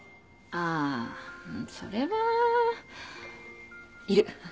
あそれはいる